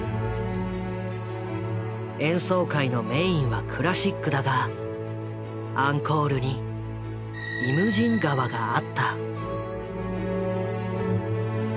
演奏会のメインはクラシックだがアンコールに「イムジン河」があった。